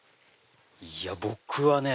いや僕はね